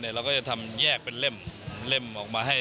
เราก็จะทำแยกเป็นเล่มออกมาให้